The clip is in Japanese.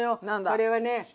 これはね。